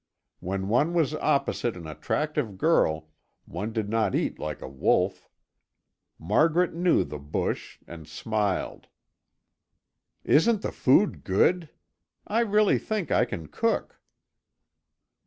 When one was opposite an attractive girl one did not eat like a wolf. Margaret knew the bush and smiled. "Isn't the food good? I really think I can cook."